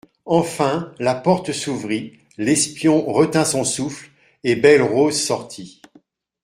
Enfin la porte s'ouvrit, l'espion retint son souffle, et Belle-Rose sortit.